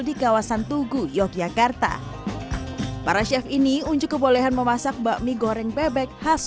di kawasan tugu yogyakarta para chef ini unjuk kebolehan memasak bakmi goreng bebek khas